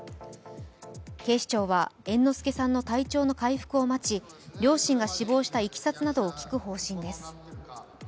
警視庁は猿之助さんの体調の回復を待ち両親が死亡したいきさつなどを聞く方針です。